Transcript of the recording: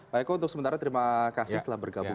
pak eko untuk sementara terima kasih telah bergabung